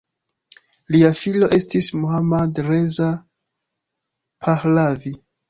Lia filo estis Mohammad Reza Pahlavi.